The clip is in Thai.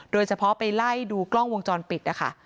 โดยเฉพาะไปไล่ดูกล้องวงจรปิดนะคะ